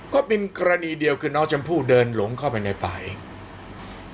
ก็เป็นกรณีเดียวคือน้องชมพู่เดินหลงเข้าไปในป่าเอง